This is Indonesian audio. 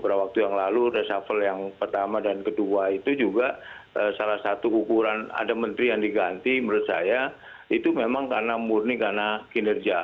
beberapa waktu yang lalu reshuffle yang pertama dan kedua itu juga salah satu ukuran ada menteri yang diganti menurut saya itu memang karena murni karena kinerja